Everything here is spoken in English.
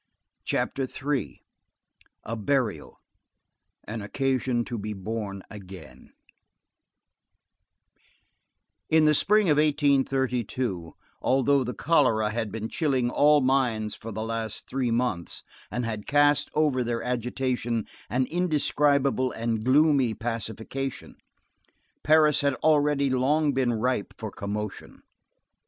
CHAPTER III—A BURIAL; AN OCCASION TO BE BORN AGAIN In the spring of 1832, although the cholera had been chilling all minds for the last three months and had cast over their agitation an indescribable and gloomy pacification, Paris had already long been ripe for commotion.